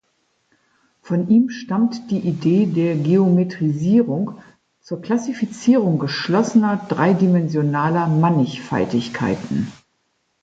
Von ihm stammt die Idee der Geometrisierung zur Klassifizierung geschlossener dreidimensionaler Mannigfaltigkeiten.